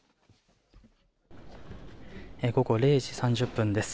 午後０時３０分です。